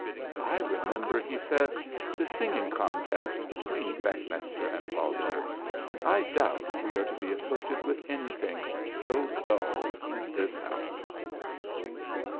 "I remember," he said, "the singing contest between Beckmesser and Walter, and I doubt if we are to be afflicted with anything so dull in this house."